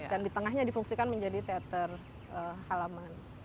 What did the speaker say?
dan di tengahnya difungsikan menjadi teater halaman